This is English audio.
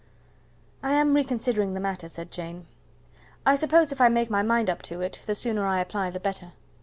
"I am reconsidering the matter," said Jane. "I suppose if I make up my mind to it, the sooner I apply the better."